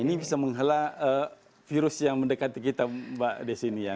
ini bisa menghala virus yang mendekati kita mbak desi